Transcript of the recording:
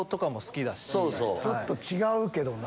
ちょっと違うけどな。